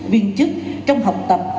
viên chức trong học tập